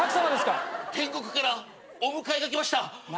天国からお迎えが来ました。